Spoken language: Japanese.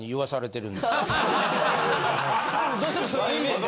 それは。どうしてもそういうイメージが。